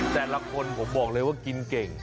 แต่ละคนผมบอกเลยว่ากินเก่ง